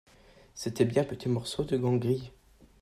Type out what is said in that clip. C'était bien un petit morceau de gant gris.